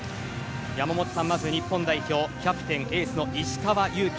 山本さん、まず日本代表キャプテン、エースの石川祐希